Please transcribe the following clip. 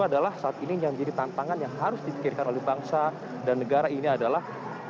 adalah saat ini yang menjadi tantangan yang harus dipikirkan oleh bangsa dan negara ini adalah